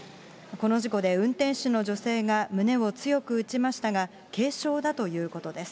この事故で運転手の女性が胸を強く打ちましたが、軽傷だということです。